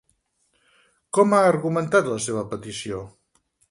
Com ha argumentat la seva petició?